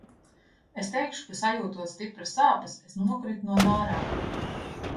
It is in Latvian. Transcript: Es teikšu, ka sajūtot stipras sāpes, es nokritu no nārām.